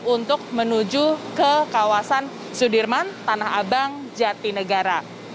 untuk menuju ke kawasan sudirman tanah abang jatinegara